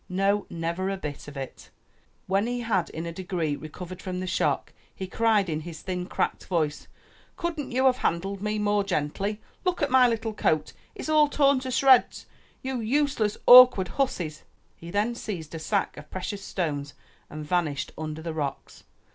No! never a bit of it ! When he had in a degree recovered from the shock he cried in his thin cracked voice, ''Couldn't you have handled me more gently? Look at my little coat. It's all torn to shreds, you useless, awkward hussies.*' He then seized a sack of precious stones and vanished under the rocks.